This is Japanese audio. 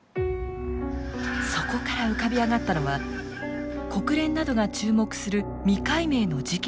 そこから浮かび上がったのは国連などが注目する未解明の事件の真相。